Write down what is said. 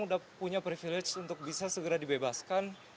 sudah punya privilege untuk bisa segera dibebaskan